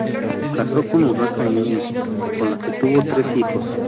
Casó con Urraca Núñez con la que tuvo tres hijos.